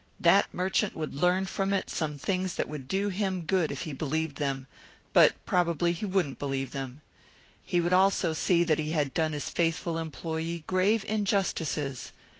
That merchant would learn from it some things that would do him good if he believed them, but probably he wouldn't believe them. He would also see that he had done his faithful employee grave injustices.